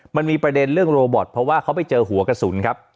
มันมีประเด็นเรื่องโรบอตเพราะว่าเขาไปเจอหัวกระสุนครับ